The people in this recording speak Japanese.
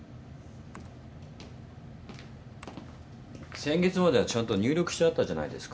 先月まではちゃんと入力してあったじゃないですか。